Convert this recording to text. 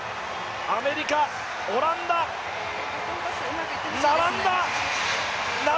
アメリカ、オランダ、並んだ！